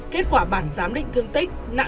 kết quả bản giám định thương tích nặng nhất